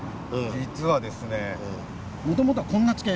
実はもともとはこんな地形。